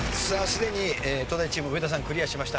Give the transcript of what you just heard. すでに東大チーム上田さんクリアしました。